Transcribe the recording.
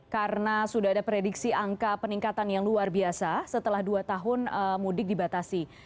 karena sudah ada prediksi angka peningkatan yang luar biasa setelah dua tahun mudik dibatasi